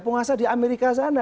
penguasa di amerika sana